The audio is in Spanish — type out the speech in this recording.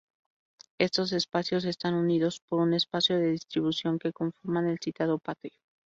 Estos espacios están unidos por un espacio de distribución que conforman el citado patio.